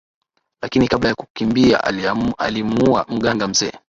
lakini kabla ya kukimbia alimuua mganga mzee